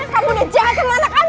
kamu udah jahat sama anak anak